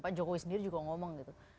pak jokowi sendiri juga ngomong gitu